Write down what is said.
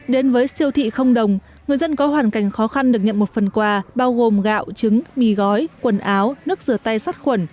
đến với siêu thị không đồng người dân có hoàn cảnh khó khăn được nhận một phần quà bao gồm gạo trứng mì gói quần áo nước rửa tay sát khuẩn